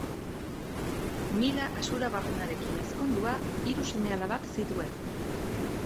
Mila Asurabarrenarekin ezkondua, hiru sema-alabak zituen.